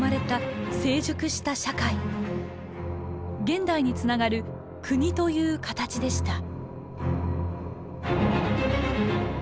現代につながる「国」という形でした。